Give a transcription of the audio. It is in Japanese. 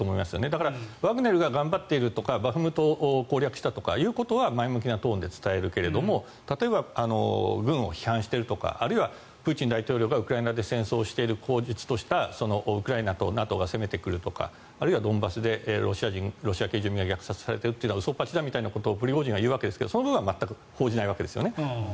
だからワグネルが頑張ってるとかバフムトを攻略したということは前向きなトーンで伝えるけども例えば軍を批判しているとかあるいはプーチン大統領がウクライナで戦争してる口実としたウクライナとＮＡＴＯが攻めてくるとかあるいはドンバスでロシア系住民が虐殺されているというのは嘘っぱちだみたいなことをプリゴジンが言うわけですがそういうことは全く報じないわけですよね。